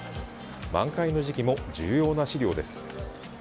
満開の時期も重要な資料です。